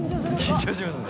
緊張しますね。